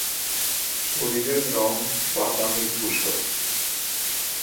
শরীরের রং বাদামী-ধূসর।